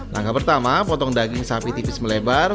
langkah pertama potong daging sapi tipis melebar